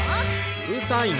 うるさいな。